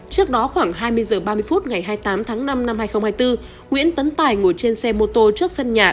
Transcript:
trước đó khoảng hai mươi h ba mươi phút ngày hai mươi tám tháng năm năm hai nghìn hai mươi bốn nguyễn tấn tài ngồi trên xe mô tô trước sân nhà